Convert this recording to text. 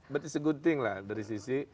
berarti segunting lah dari sisi